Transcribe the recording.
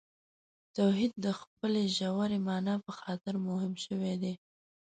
توحید د خپلې ژورې معنا په خاطر مهم شوی دی.